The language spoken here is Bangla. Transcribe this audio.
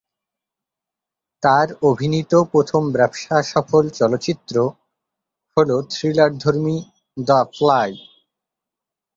তার অভিনীত প্রথম ব্যবসা সফল চলচ্চিত্র হল থ্রিলারধর্মী "দ্য ফ্লাই"।